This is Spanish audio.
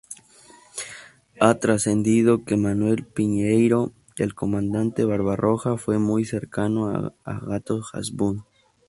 Ha trascendido que Manuel Piñeiro, el comandante Barbarroja, fue muy cercano a Hato Hasbún.